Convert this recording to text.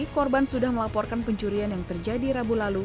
korban sudah melaporkan pencurian yang terjadi rabu lalu